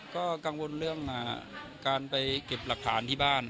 ก็กังวลเรื่องการไปเก็บหลักฐานที่บ้าน